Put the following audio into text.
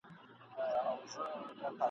شپې تر سهاره یې سجدې کولې !.